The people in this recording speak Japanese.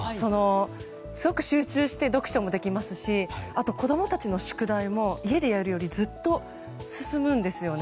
すごく集中して読書もできますしあと、子供たちの宿題も家でやるよりずっと進むんですよね。